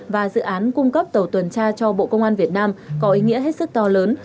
và dự án cung cấp tàu tuần tra cho bộ công an việt nam có ý nghĩa hết sức to lớn